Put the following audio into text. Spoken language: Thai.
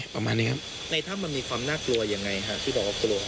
ประมาณนี้ครับในถ้ำมันมีความน่ากลัวยังไงครับที่บอกว่ากลัว